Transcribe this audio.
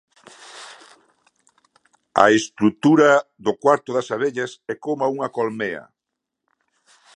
A estrutura de O cuarto das abellas é coma unha colmea.